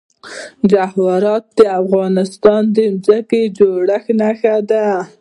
جواهرات د افغانستان د ځمکې د جوړښت نښه ده.